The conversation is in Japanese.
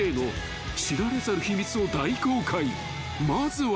［まずは］